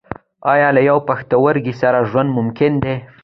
ایا له یوه پښتورګي سره ژوند ممکن دی